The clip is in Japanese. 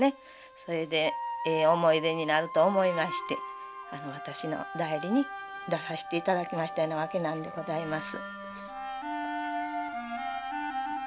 それでええ思い出になると思いまして私の代理に出さしていただきましたみたいなわけなんでございます。